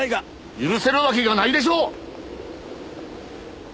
許せるわけがないでしょう！